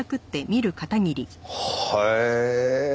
へえ。